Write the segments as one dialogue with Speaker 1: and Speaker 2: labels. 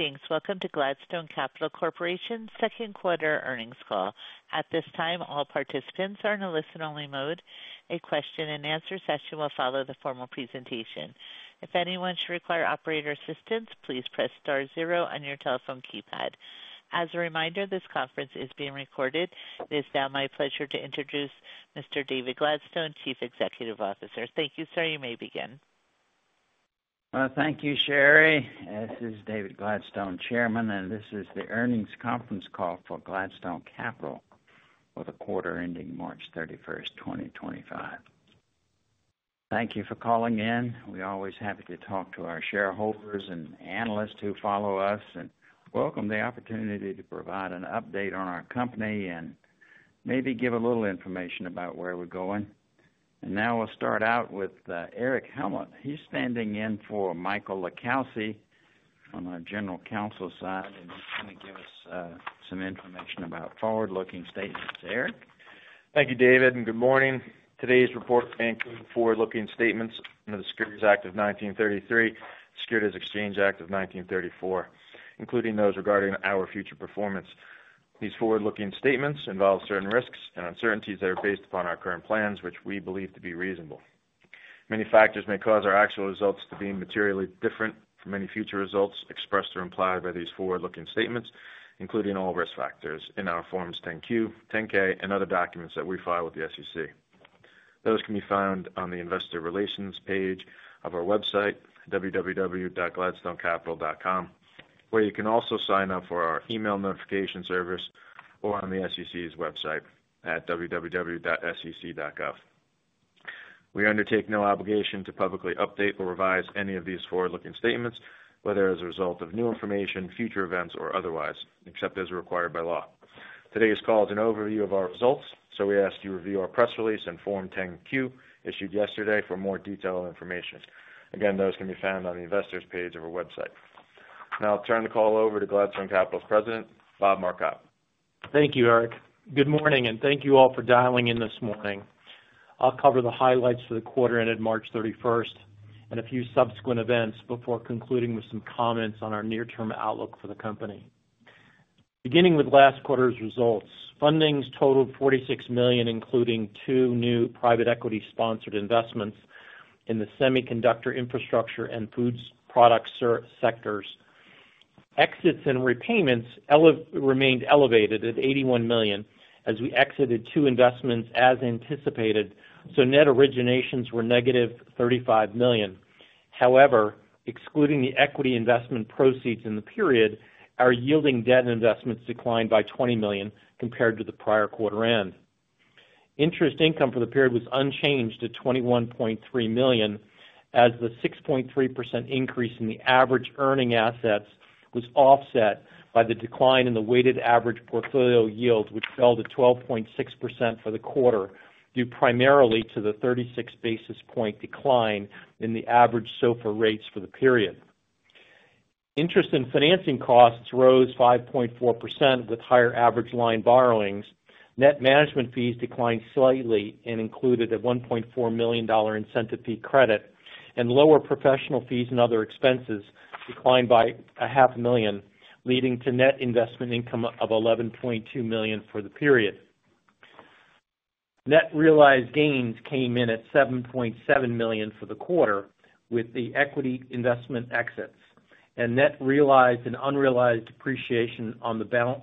Speaker 1: Greetings. Welcome to Gladstone Capital Corporation's second-quarter earnings call. At this time, all participants are in a listen-only mode. A question-and-answer session will follow the formal presentation. If anyone should require operator assistance, please press star zero on your telephone keypad. As a reminder, this conference is being recorded. It is now my pleasure to introduce Mr. David Gladstone, Chief Executive Officer. Thank you, sir. You may begin.
Speaker 2: Thank you, Sherry. This is David Gladstone, Chairman, and this is the earnings conference call for Gladstone Capital with a quarter ending March 31, 2025. Thank you for calling in. We're always happy to talk to our shareholders and analysts who follow us and welcome the opportunity to provide an update on our company and maybe give a little information about where we're going. Now we'll start out with Erich Hellmold. He's standing in for Michael LiCalsi on the general counsel side, and he's going to give us some information about forward-looking statements. Erich.
Speaker 3: Thank you, David, and good morning. Today's report is forward-looking statements under the Securities Act of 1933, Securities Exchange Act of 1934, including those regarding our future performance. These forward-looking statements involve certain risks and uncertainties that are based upon our current plans, which we believe to be reasonable. Many factors may cause our actual results to be materially different from any future results expressed or implied by these forward-looking statements, including all risk factors in our Forms 10-K and other documents that we file with the SEC. Those can be found on the investor relations page of our website, www.gladstonecapital.com, where you can also sign up for our email notification service or on the SEC's website at www.sec.gov. We undertake no obligation to publicly update or revise any of these forward-looking statements, whether as a result of new information, future events, or otherwise, except as required by law. Today's call is an overview of our results, so we ask you to review our press release and Form 10-Q issued yesterday for more detailed information. Again, those can be found on the investors' page of our website. Now I'll turn the call over to Gladstone Capital's President, Bob Marcotte.
Speaker 4: Thank you, Erich. Good morning, and thank you all for dialing in this morning. I'll cover the highlights for the quarter ended March 31 and a few subsequent events before concluding with some comments on our near-term outlook for the company. Beginning with last quarter's results, fundings totaled $46 million, including two new private equity-sponsored investments in the semiconductor infrastructure and foods product sectors. Exits and repayments remained elevated at $81 million as we exited two investments as anticipated, so net originations were -$35 million. However, excluding the equity investment proceeds in the period, our yielding debt investments declined by $20 million compared to the prior quarter end. Interest income for the period was unchanged at $21.3 million as the 6.3% increase in the average earning assets was offset by the decline in the weighted average portfolio yield, which fell to 12.6% for the quarter due primarily to the 36 basis point decline in the average SOFR rates for the period. Interest and financing costs rose 5.4% with higher average line borrowings. Net management fees declined slightly and included a $1.4 million incentive fee credit, and lower professional fees and other expenses declined by $500,000, leading to net investment income of $11.2 million for the period. Net realized gains came in at $7.7 million for the quarter with the equity investment exits, and net realized and unrealized depreciation on the balance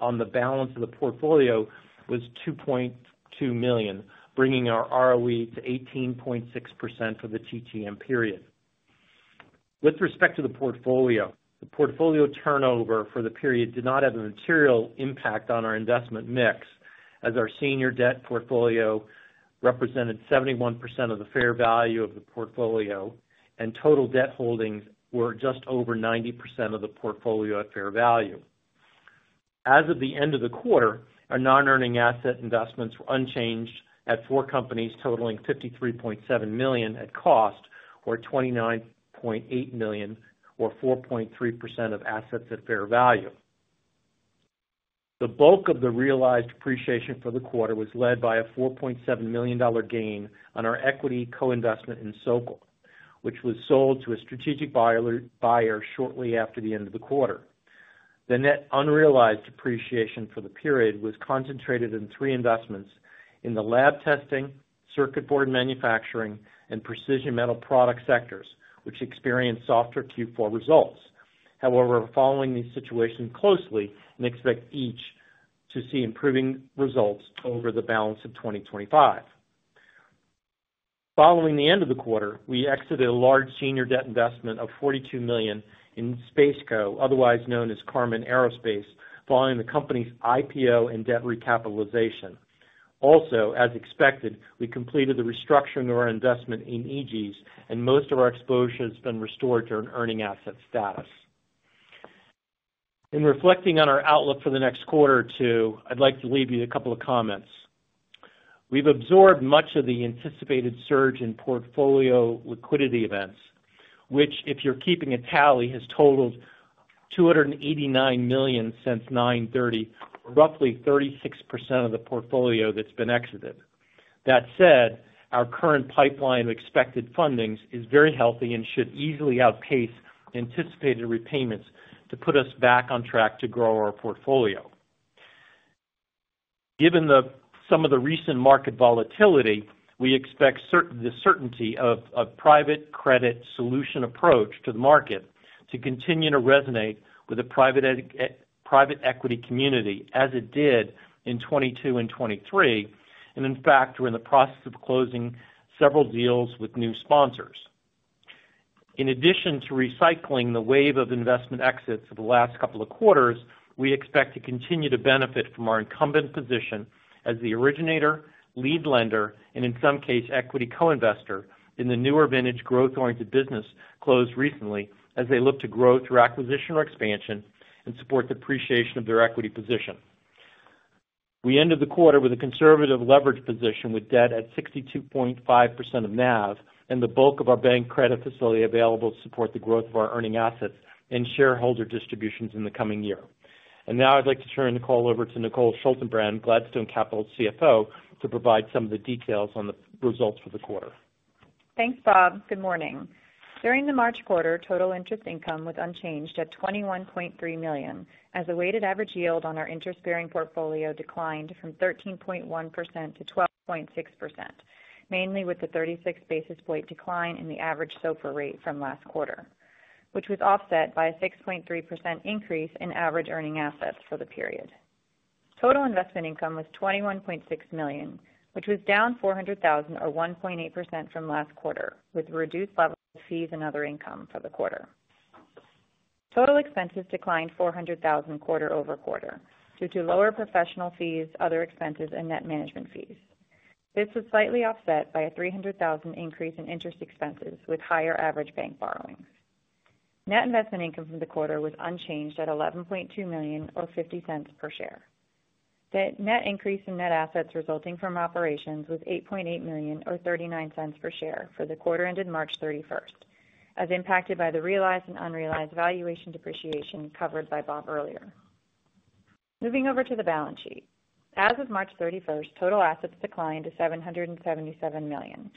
Speaker 4: of the portfolio was $2.2 million, bringing our ROE to 18.6% for the TTM period. With respect to the portfolio, the portfolio turnover for the period did not have a material impact on our investment mix, as our senior debt portfolio represented 71% of the fair value of the portfolio, and total debt holdings were just over 90% of the portfolio at fair value. As of the end of the quarter, our non-earning asset investments were unchanged at four companies totaling $53.7 million at cost or $29.8 million, or 4.3% of assets at fair value. The bulk of the realized depreciation for the quarter was led by a $4.7 million gain on our equity co-investment in Sokol, which was sold to a strategic buyer shortly after the end of the quarter. The net unrealized depreciation for the period was concentrated in three investments in the lab testing, circuit board manufacturing, and precision metal product sectors, which experienced softer Q4 results. However, following these situations closely, we expect each to see improving results over the balance of 2025. Following the end of the quarter, we exited a large senior debt investment of $42 million in SpaceCo, otherwise known as Karman Aerospace, following the company's IPO and debt recapitalization. Also, as expected, we completed the restructuring of our investment in EG&S, and most of our exposure has been restored to an earning asset status. In reflecting on our outlook for the next quarter or two, I'd like to leave you a couple of comments. We've absorbed much of the anticipated surge in portfolio liquidity events, which, if you're keeping a tally, has totaled $289 million since 9/30, roughly 36% of the portfolio that's been exited. That said, our current pipeline of expected fundings is very healthy and should easily outpace anticipated repayments to put us back on track to grow our portfolio. Given some of the recent market volatility, we expect the certainty of a private credit solution approach to the market to continue to resonate with the private equity community as it did in 2022 and 2023, and in fact, we're in the process of closing several deals with new sponsors. In addition to recycling the wave of investment exits of the last couple of quarters, we expect to continue to benefit from our incumbent position as the originator, lead lender, and in some case, equity co-investor in the newer vintage growth-oriented business closed recently as they look to grow through acquisition or expansion and support the depreciation of their equity position. We ended the quarter with a conservative leverage position with debt at 62.5% of NAV, and the bulk of our bank credit facility available to support the growth of our earning assets and shareholder distributions in the coming year. I would like to turn the call over to Nicole Schaltenbrand, Gladstone Capital's CFO, to provide some of the details on the results for the quarter.
Speaker 5: Thanks, Bob. Good morning. During the March quarter, total interest income was unchanged at $21.3 million as the weighted average yield on our interest-bearing portfolio declined from 13.1% to 12.6%, mainly with the 36 basis point decline in the average SOFR rate from last quarter, which was offset by a 6.3% increase in average earning assets for the period. Total investment income was $21.6 million, which was down $400,000, or 1.8% from last quarter, with reduced levels of fees and other income for the quarter. Total expenses declined $400,000 quarter-over-quarter due to lower professional fees, other expenses, and net management fees. This was slightly offset by a $300,000 increase in interest expenses with higher average bank borrowings. Net investment income for the quarter was unchanged at $11.2 million, or $0.50 per share. Net increase in net assets resulting from operations was $8.8 million, or $0.39 per share for the quarter ended March 31, as impacted by the realized and unrealized valuation depreciation covered by Bob earlier. Moving over to the balance sheet. As of March 31, total assets declined to $777 million,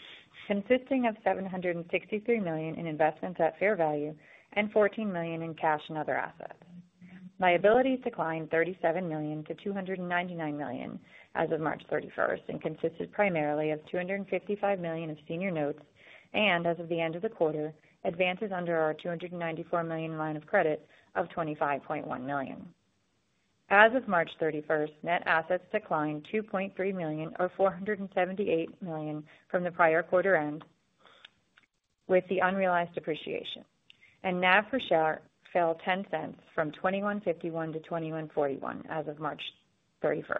Speaker 5: consisting of $763 million in investments at fair value and $14 million in cash and other assets. Liabilities declined $37 million to $299 million as of March 31 and consisted primarily of $255 million of senior notes and, as of the end of the quarter, advances under our $294 million line of credit of $25.1 million. As of March 31, net assets declined $2.3 million, or to $478 million, from the prior quarter end with the unrealized depreciation, and NAV per share fell $0.10 from $21.51 to $21.41 as of March 31.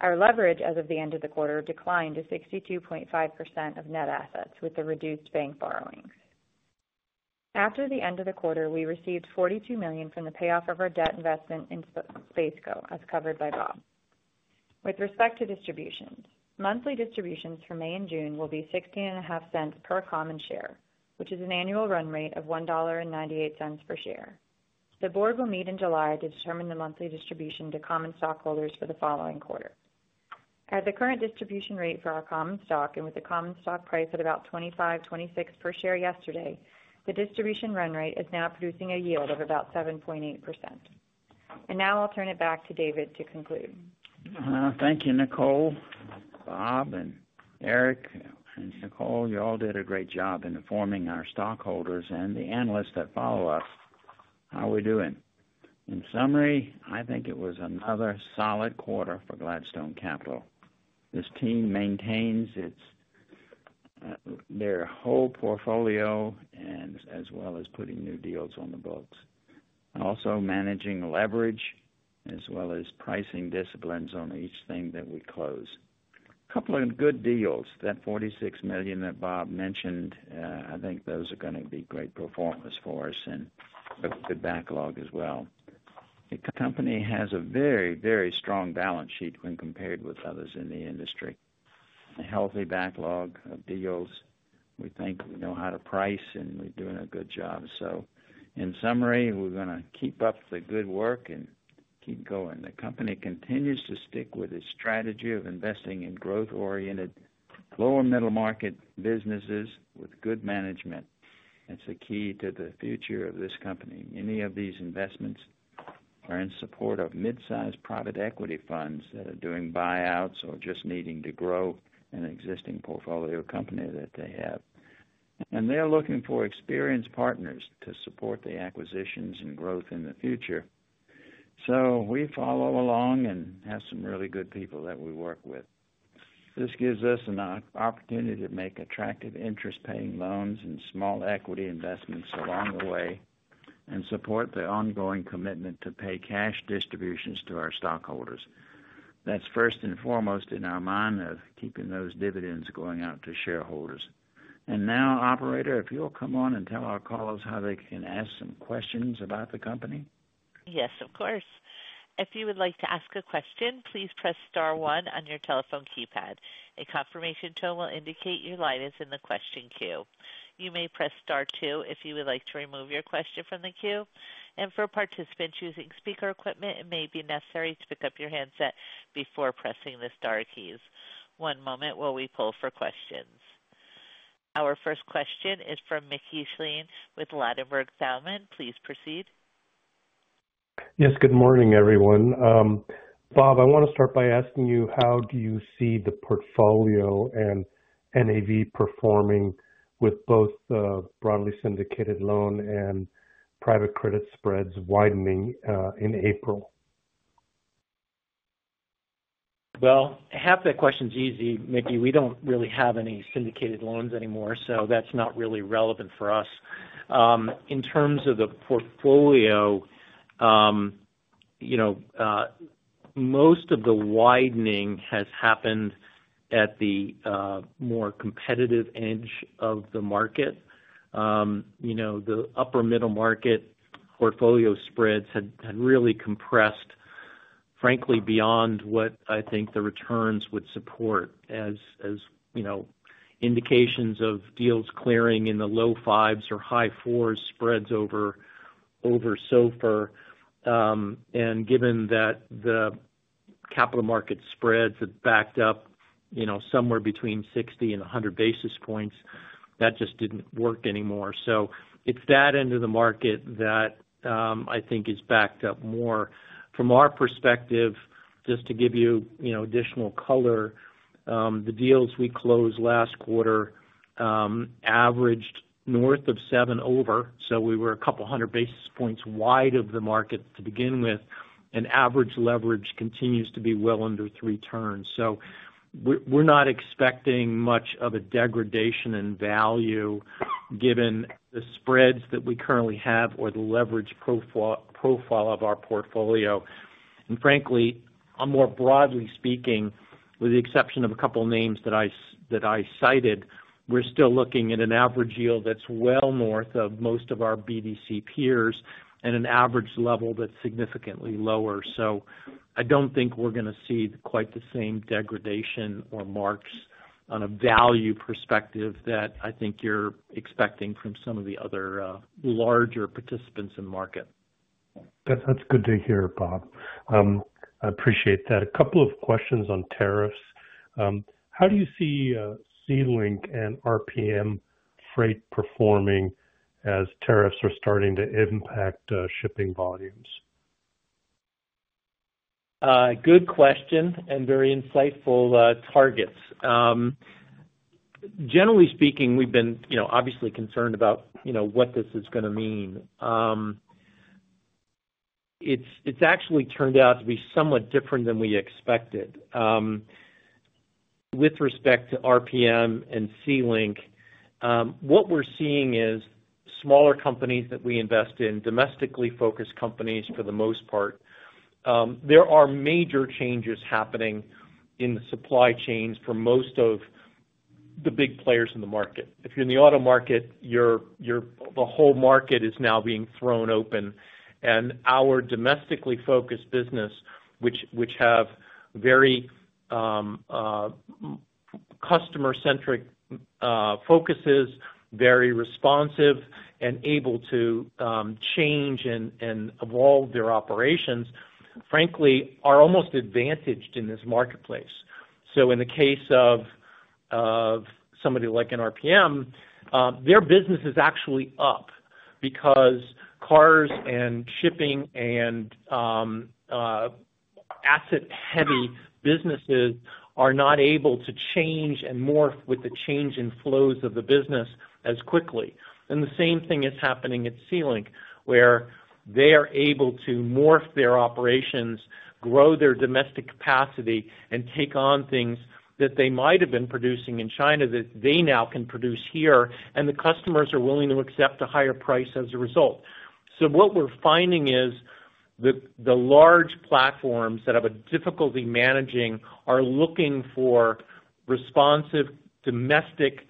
Speaker 5: Our leverage as of the end of the quarter declined to 62.5% of net assets with the reduced bank borrowings. After the end of the quarter, we received $42 million from the payoff of our debt investment in SpaceCo, as covered by Bob. With respect to distributions, monthly distributions for May and June will be $0.165 per common share, which is an annual run rate of $1.98 per share. The board will meet in July to determine the monthly distribution to common stockholders for the following quarter. At the current distribution rate for our common stock and with the common stock price at about $25.26 per share yesterday, the distribution run rate is now producing a yield of about 7.8%. Now I'll turn it back to David to conclude.
Speaker 2: Thank you, Nicole, Bob, and Erich, and Nicole. You all did a great job informing our stockholders and the analysts that follow us. How are we doing? In summary, I think it was another solid quarter for Gladstone Capital. This team maintains their whole portfolio, as well as putting new deals on the books, also managing leverage as well as pricing disciplines on each thing that we close. A couple of good deals, that $46 million that Bob mentioned, I think those are going to be great performance for us and a good backlog as well. The company has a very, very strong balance sheet when compared with others in the industry, a healthy backlog of deals. We think we know how to price, and we're doing a good job. In summary, we're going to keep up the good work and keep going. The company continues to stick with its strategy of investing in growth-oriented, lower middle market businesses with good management. That's the key to the future of this company. Many of these investments are in support of mid-sized private equity funds that are doing buyouts or just needing to grow an existing portfolio company that they have. They're looking for experienced partners to support the acquisitions and growth in the future. We follow along and have some really good people that we work with. This gives us an opportunity to make attractive interest-paying loans and small equity investments along the way and support the ongoing commitment to pay cash distributions to our stockholders. That's first and foremost in our mind of keeping those dividends going out to shareholders. Now, operator, if you'll come on and tell our callers how they can ask some questions about the company.
Speaker 1: Yes, of course. If you would like to ask a question, please press star one on your telephone keypad. A confirmation tone will indicate your light is in the question queue. You may press star two if you would like to remove your question from the queue. For participants using speaker equipment, it may be necessary to pick up your handset before pressing the star keys. One moment while we poll for questions. Our first question is from Mickey Schleien with Ladenburg Thalmann. Please proceed.
Speaker 6: Yes, good morning, everyone. Bob, I want to start by asking you, how do you see the portfolio and NAV performing with both the broadly syndicated loan and private credit spreads widening in April?
Speaker 4: Half that question's easy, Mickey. We don't really have any syndicated loans anymore, so that's not really relevant for us. In terms of the portfolio, most of the widening has happened at the more competitive edge of the market. The upper middle market portfolio spreads had really compressed, frankly, beyond what I think the returns would support as indications of deals clearing in the low fives or high fours spreads over SOFR. Given that the capital market spreads had backed up somewhere between 60 and 100 basis points, that just didn't work anymore. It's that end of the market that I think is backed up more. From our perspective, just to give you additional color, the deals we closed last quarter averaged north of seven over, so we were a couple hundred basis points wide of the market to begin with, and average leverage continues to be well under three turns. We are not expecting much of a degradation in value given the spreads that we currently have or the leverage profile of our portfolio. Frankly, more broadly speaking, with the exception of a couple names that I cited, we are still looking at an average yield that is well north of most of our BDC peers and an average level that is significantly lower. I do not think we are going to see quite the same degradation or marks on a value perspective that I think you are expecting from some of the other larger participants in the market.
Speaker 6: That's good to hear, Bob. I appreciate that. A couple of questions on tariffs. How do you see Sea Link and RPM Freight performing as tariffs are starting to impact shipping volumes?
Speaker 4: Good question and very insightful targets. Generally speaking, we've been obviously concerned about what this is going to mean. It's actually turned out to be somewhat different than we expected. With respect to RPM Freight and Sea Link, what we're seeing is smaller companies that we invest in, domestically focused companies for the most part. There are major changes happening in the supply chains for most of the big players in the market. If you're in the auto market, the whole market is now being thrown open. Our domestically focused business, which have very customer-centric focuses, very responsive and able to change and evolve their operations, frankly, are almost advantaged in this marketplace. In the case of somebody like in RPM Freight, their business is actually up because cars and shipping and asset-heavy businesses are not able to change and morph with the change in flows of the business as quickly. The same thing is happening at Sea Link, where they are able to morph their operations, grow their domestic capacity, and take on things that they might have been producing in China that they now can produce here, and the customers are willing to accept a higher price as a result. What we are finding is the large platforms that have a difficulty managing are looking for responsive domestic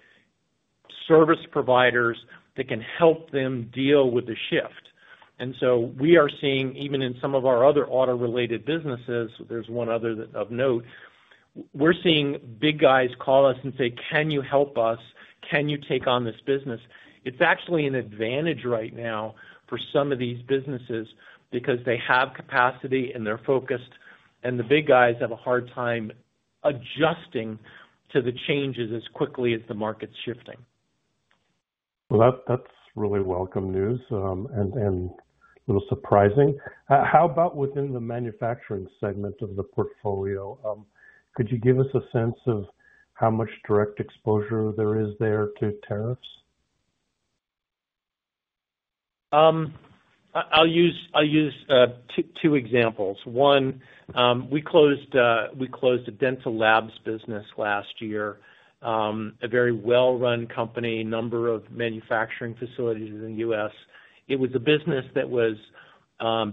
Speaker 4: service providers that can help them deal with the shift. We are seeing, even in some of our other auto-related businesses, there is one other of note, we are seeing big guys call us and say, "Can you help us? Can you take on this business?" It's actually an advantage right now for some of these businesses because they have capacity and they're focused, and the big guys have a hard time adjusting to the changes as quickly as the market's shifting.
Speaker 6: That's really welcome news and a little surprising. How about within the manufacturing segment of the portfolio? Could you give us a sense of how much direct exposure there is there to tariffs?
Speaker 4: I'll use two examples. One, we closed a dental labs business last year, a very well-run company, a number of manufacturing facilities in the U.S. It was a business that was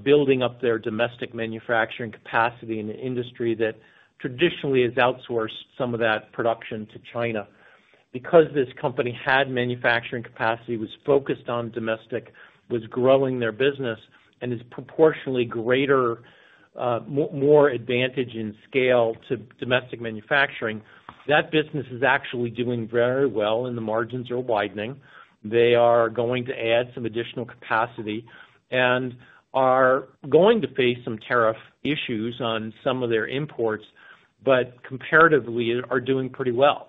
Speaker 4: building up their domestic manufacturing capacity in an industry that traditionally has outsourced some of that production to China. Because this company had manufacturing capacity, was focused on domestic, was growing their business, and is proportionally greater, more advantage in scale to domestic manufacturing, that business is actually doing very well and the margins are widening. They are going to add some additional capacity and are going to face some tariff issues on some of their imports, but comparatively are doing pretty well.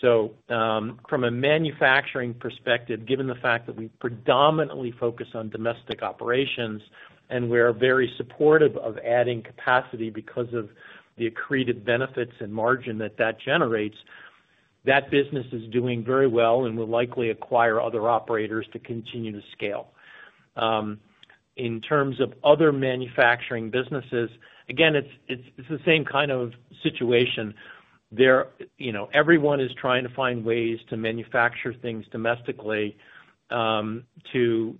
Speaker 4: From a manufacturing perspective, given the fact that we predominantly focus on domestic operations and we are very supportive of adding capacity because of the accreted benefits and margin that that generates, that business is doing very well and will likely acquire other operators to continue to scale. In terms of other manufacturing businesses, again, it is the same kind of situation. Everyone is trying to find ways to manufacture things domestically to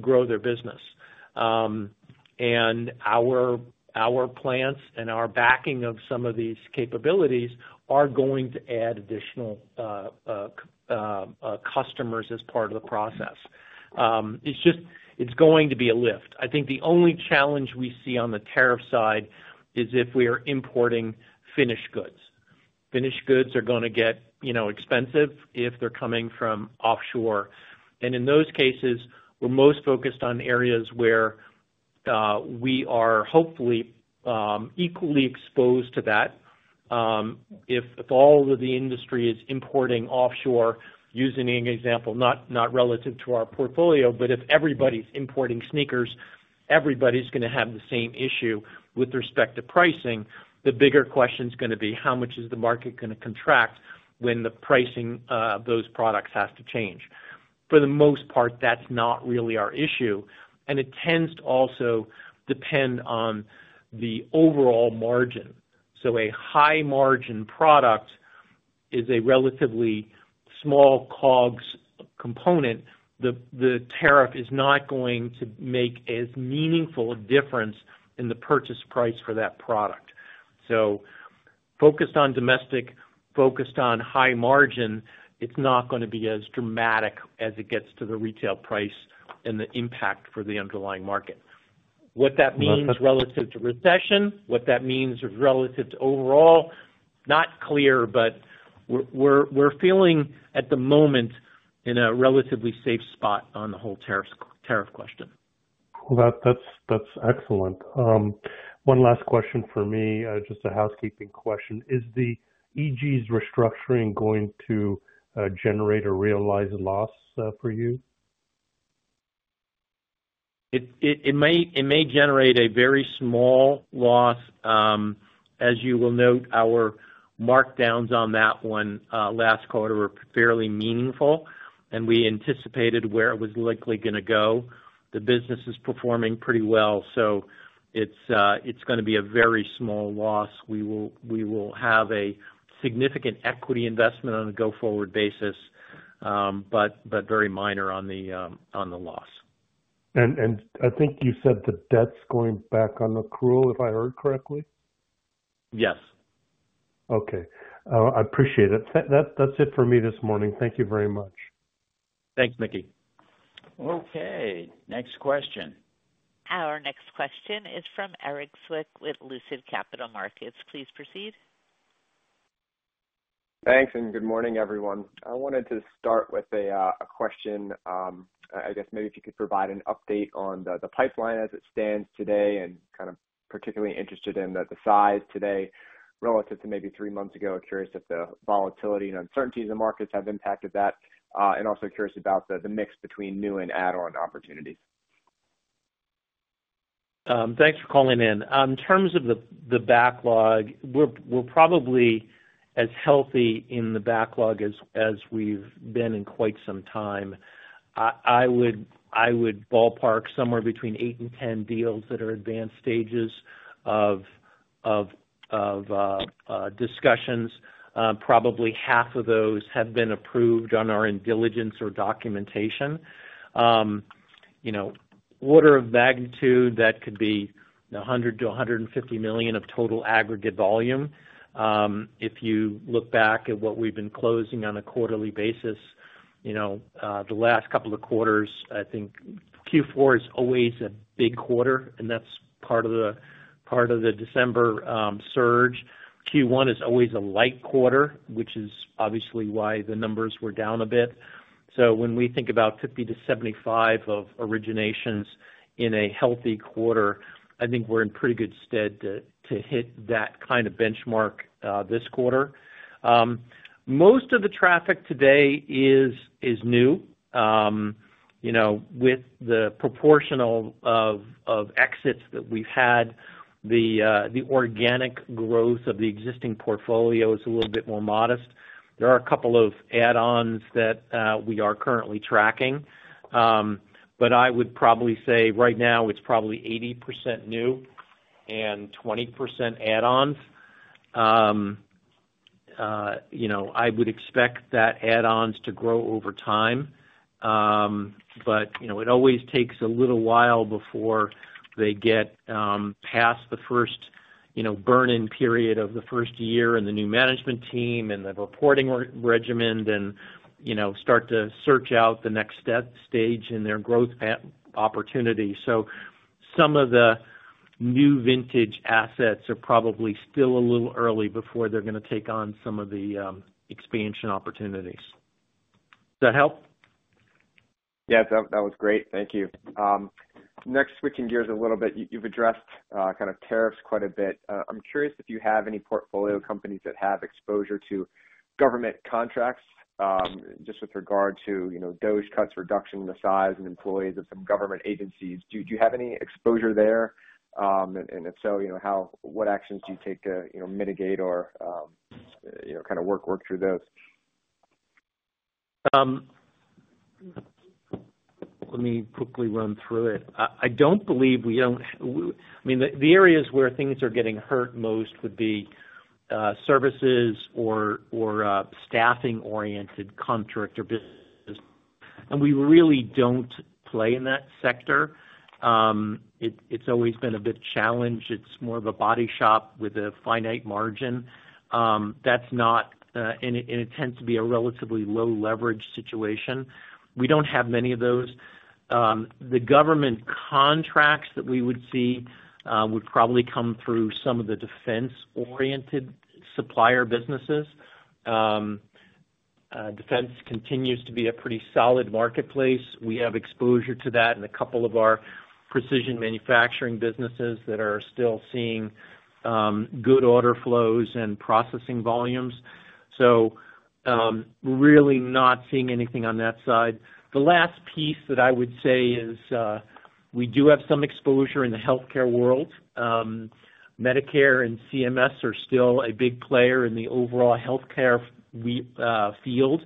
Speaker 4: grow their business. Our plants and our backing of some of these capabilities are going to add additional customers as part of the process. It is going to be a lift. I think the only challenge we see on the tariff side is if we are importing finished goods. Finished goods are going to get expensive if they are coming from offshore. In those cases, we are most focused on areas where we are hopefully equally exposed to that. If all of the industry is importing offshore, using an example not relative to our portfolio, but if everybody's importing sneakers, everybody's going to have the same issue with respect to pricing. The bigger question's going to be, how much is the market going to contract when the pricing of those products has to change? For the most part, that's not really our issue. It tends to also depend on the overall margin. A high-margin product is a relatively small COGS component. The tariff is not going to make as meaningful a difference in the purchase price for that product. Focused on domestic, focused on high margin, it's not going to be as dramatic as it gets to the retail price and the impact for the underlying market. What that means relative to recession, what that means relative to overall, not clear, but we're feeling at the moment in a relatively safe spot on the whole tariff question.
Speaker 6: That's excellent. One last question for me, just a housekeeping question. Is the EG's restructuring going to generate a realized loss for you?
Speaker 4: It may generate a very small loss. As you will note, our markdowns on that one last quarter were fairly meaningful, and we anticipated where it was likely going to go. The business is performing pretty well, so it is going to be a very small loss. We will have a significant equity investment on a go-forward basis, but very minor on the loss.
Speaker 6: I think you said the debt's going back on accrual, if I heard correctly?
Speaker 4: Yes.
Speaker 6: Okay. I appreciate it. That's it for me this morning. Thank you very much.
Speaker 4: Thanks, Mickey.
Speaker 1: Okay. Next question. Our next question is from Erik Zwick with Lucid Capital Markets. Please proceed.
Speaker 7: Thanks, and good morning, everyone. I wanted to start with a question. I guess maybe if you could provide an update on the pipeline as it stands today, and kind of particularly interested in the size today relative to maybe three months ago. Curious if the volatility and uncertainties in the markets have impacted that. Also curious about the mix between new and add-on opportunities.
Speaker 4: Thanks for calling in. In terms of the backlog, we're probably as healthy in the backlog as we've been in quite some time. I would ballpark somewhere between 8 and 10 deals that are advanced stages of discussions. Probably half of those have been approved on our due diligence or documentation. Order of magnitude, that could be $100 million-$150 million of total aggregate volume. If you look back at what we've been closing on a quarterly basis, the last couple of quarters, I think Q4 is always a big quarter, and that's part of the December surge. Q1 is always a light quarter, which is obviously why the numbers were down a bit. When we think about $50 million-$75 million of originations in a healthy quarter, I think we're in pretty good stead to hit that kind of benchmark this quarter. Most of the traffic today is new. With the proportional of exits that we've had, the organic growth of the existing portfolio is a little bit more modest. There are a couple of add-ons that we are currently tracking, but I would probably say right now it's probably 80% new and 20% add-ons. I would expect that add-ons to grow over time, but it always takes a little while before they get past the first burn-in period of the first year and the new management team and the reporting regimen and start to search out the next stage in their growth opportunity. Some of the new vintage assets are probably still a little early before they're going to take on some of the expansion opportunities. Does that help?
Speaker 7: Yes, that was great. Thank you. Next, switching gears a little bit, you've addressed kind of tariffs quite a bit. I'm curious if you have any portfolio companies that have exposure to government contracts, just with regard to DoD cuts, reduction in the size and employees of some government agencies. Do you have any exposure there? If so, what actions do you take to mitigate or kind of work through those?
Speaker 4: Let me quickly run through it. I don't believe we don't, I mean, the areas where things are getting hurt most would be services or staffing-oriented contractor business. And we really don't play in that sector. It's always been a bit challenged. It's more of a body shop with a finite margin. That's not, and it tends to be a relatively low-leverage situation. We don't have many of those. The government contracts that we would see would probably come through some of the defense-oriented supplier businesses. Defense continues to be a pretty solid marketplace. We have exposure to that and a couple of our precision manufacturing businesses that are still seeing good order flows and processing volumes. So really not seeing anything on that side. The last piece that I would say is we do have some exposure in the healthcare world. Medicare and CMS are still a big player in the overall healthcare field.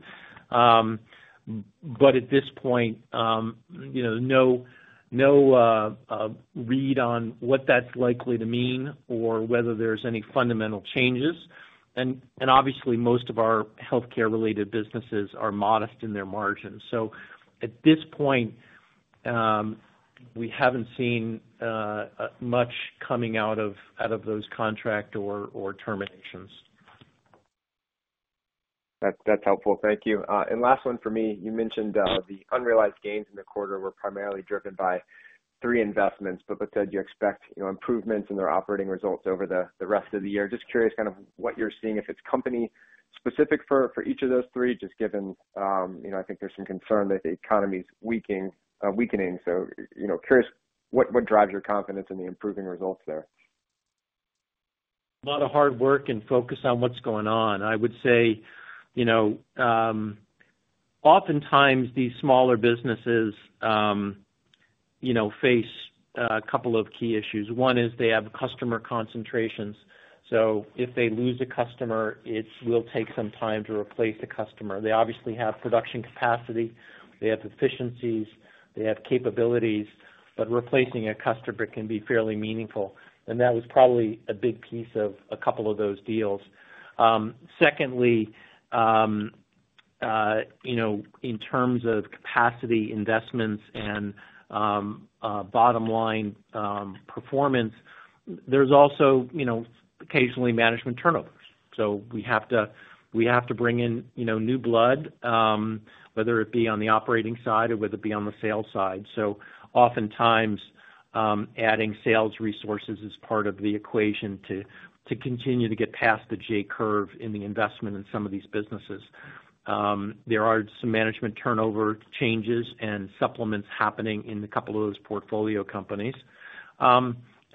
Speaker 4: At this point, no read on what that's likely to mean or whether there's any fundamental changes. Obviously, most of our healthcare-related businesses are modest in their margins. At this point, we haven't seen much coming out of those contract or terminations.
Speaker 7: That's helpful. Thank you. Last one for me, you mentioned the unrealized gains in the quarter were primarily driven by three investments, but you expect improvements in their operating results over the rest of the year. Just curious kind of what you're seeing if it's company-specific for each of those three, just given I think there's some concern that the economy's weakening. Curious what drives your confidence in the improving results there.
Speaker 4: A lot of hard work and focus on what's going on. I would say oftentimes these smaller businesses face a couple of key issues. One is they have customer concentrations. If they lose a customer, it will take some time to replace the customer. They obviously have production capacity. They have efficiencies. They have capabilities. Replacing a customer can be fairly meaningful. That was probably a big piece of a couple of those deals. Secondly, in terms of capacity investments and bottom-line performance, there's also occasionally management turnovers. We have to bring in new blood, whether it be on the operating side or whether it be on the sales side. Oftentimes, adding sales resources is part of the equation to continue to get past the J curve in the investment in some of these businesses. There are some management turnover changes and supplements happening in a couple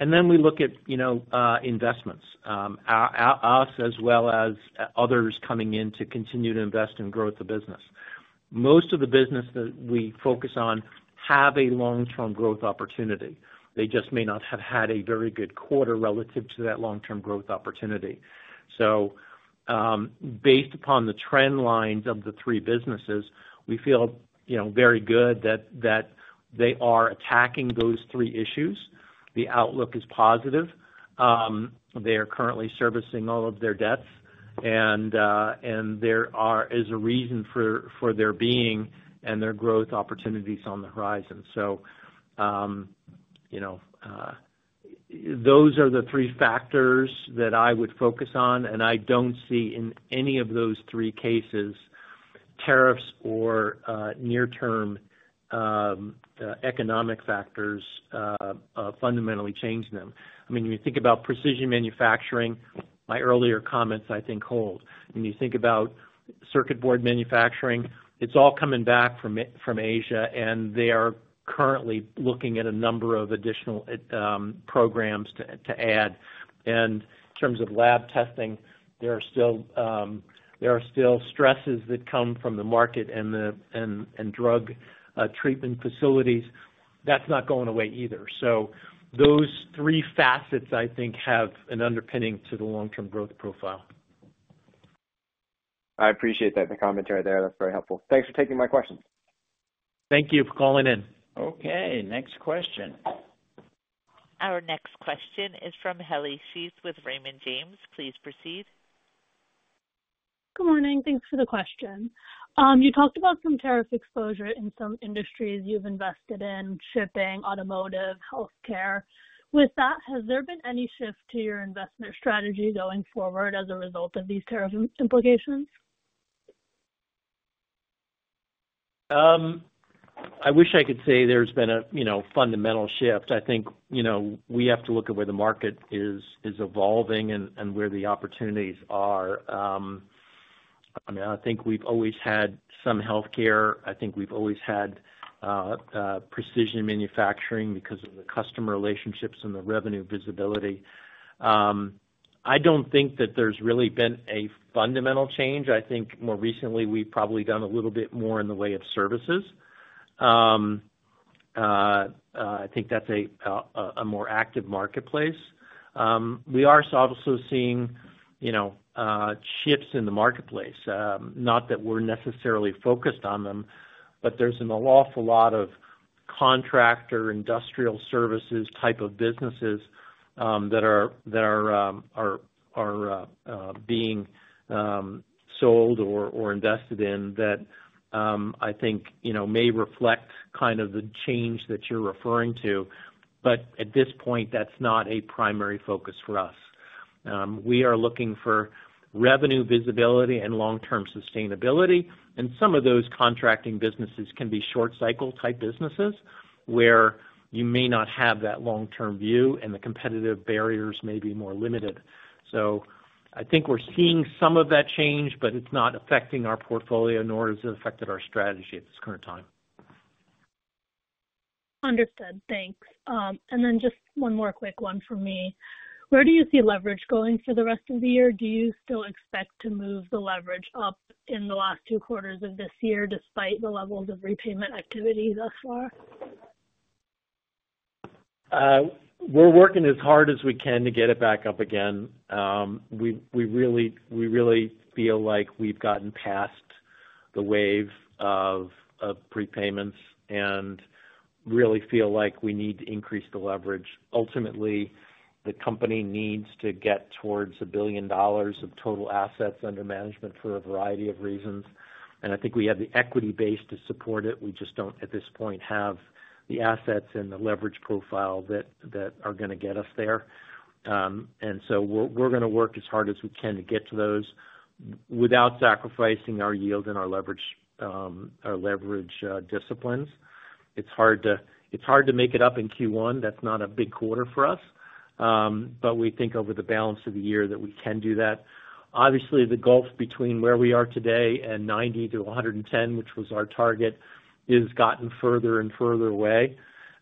Speaker 4: of those portfolio companies. Then we look at investments, us as well as others coming in to continue to invest in growth of business. Most of the business that we focus on have a long-term growth opportunity. They just may not have had a very good quarter relative to that long-term growth opportunity. Based upon the trend lines of the three businesses, we feel very good that they are attacking those three issues. The outlook is positive. They are currently servicing all of their debts, and there is a reason for their being and their growth opportunities on the horizon. Those are the three factors that I would focus on, and I do not see in any of those three cases tariffs or near-term economic factors fundamentally changing them. I mean, when you think about precision manufacturing, my earlier comments I think hold. When you think about circuit board manufacturing, it is all coming back from Asia, and they are currently looking at a number of additional programs to add. In terms of lab testing, there are still stresses that come from the market and drug treatment facilities. That is not going away either. Those three facets, I think, have an underpinning to the long-term growth profile.
Speaker 7: I appreciate that commentary there. That's very helpful. Thanks for taking my questions.
Speaker 4: Thank you for calling in.
Speaker 1: Okay. Next question. Our next question is from Heli Sheth with Raymond James. Please proceed.
Speaker 8: Good morning. Thanks for the question. You talked about some tariff exposure in some industries you've invested in: shipping, automotive, healthcare. With that, has there been any shift to your investment strategy going forward as a result of these tariff implications?
Speaker 4: I wish I could say there's been a fundamental shift. I think we have to look at where the market is evolving and where the opportunities are. I mean, I think we've always had some healthcare. I think we've always had precision manufacturing because of the customer relationships and the revenue visibility. I don't think that there's really been a fundamental change. I think more recently we've probably done a little bit more in the way of services. I think that's a more active marketplace. We are also seeing shifts in the marketplace. Not that we're necessarily focused on them, but there's an awful lot of contractor industrial services type of businesses that are being sold or invested in that I think may reflect kind of the change that you're referring to. At this point, that's not a primary focus for us. We are looking for revenue visibility and long-term sustainability. Some of those contracting businesses can be short-cycle type businesses where you may not have that long-term view, and the competitive barriers may be more limited. I think we are seeing some of that change, but it is not affecting our portfolio, nor has it affected our strategy at this current time.
Speaker 8: Understood. Thanks. And then just one more quick one from me. Where do you see leverage going for the rest of the year? Do you still expect to move the leverage up in the last two quarters of this year, despite the levels of repayment activity thus far?
Speaker 4: We're working as hard as we can to get it back up again. We really feel like we've gotten past the wave of prepayments and really feel like we need to increase the leverage. Ultimately, the company needs to get towards a billion dollars of total assets under management for a variety of reasons. I think we have the equity base to support it. We just don't, at this point, have the assets and the leverage profile that are going to get us there. We're going to work as hard as we can to get to those without sacrificing our yield and our leverage disciplines. It's hard to make it up in Q1. That's not a big quarter for us. We think over the balance of the year that we can do that. Obviously, the gulf between where we are today and 90%-110%, which was our target, has gotten further and further away.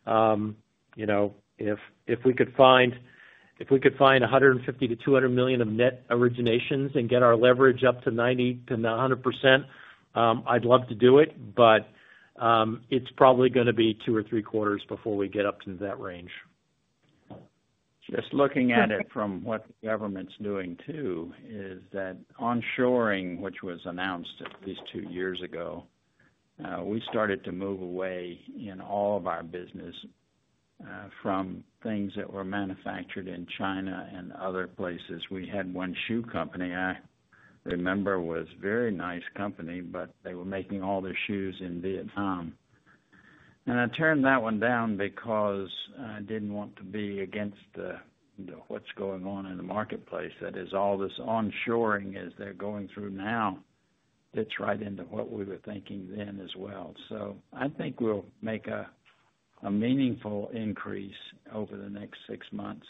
Speaker 4: If we could find $150 million-$200 million of net originations and get our leverage up to 90%-100%, I'd love to do it, but it's probably going to be two or three quarters before we get up to that range.
Speaker 2: Just looking at it from what the government's doing too is that onshoring, which was announced at least two years ago, we started to move away in all of our business from things that were manufactured in China and other places. We had one shoe company I remember was a very nice company, but they were making all their shoes in Vietnam. I turned that one down because I did not want to be against what's going on in the marketplace. That is, all this onshoring as they're going through now fits right into what we were thinking then as well. I think we'll make a meaningful increase over the next six months.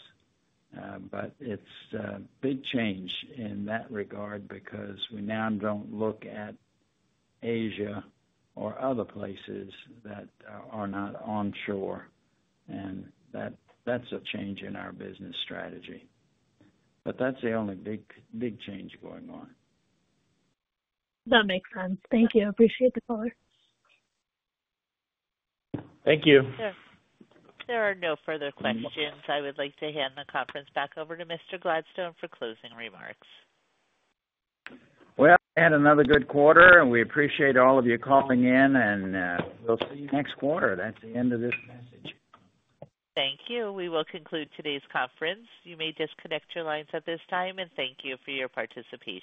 Speaker 2: It is a big change in that regard because we now do not look at Asia or other places that are not onshore. That is a change in our business strategy. That's the only big change going on.
Speaker 8: That makes sense. Thank you. Appreciate the call.
Speaker 4: Thank you.
Speaker 1: There are no further questions. I would like to hand the conference back over to Mr. Gladstone for closing remarks.
Speaker 2: We had another good quarter, and we appreciate all of you calling in. We will see you next quarter. That is the end of this message.
Speaker 1: Thank you. We will conclude today's conference. You may disconnect your lines at this time, and thank you for your participation.